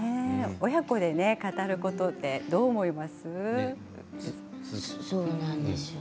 親子で語ることってどう思います？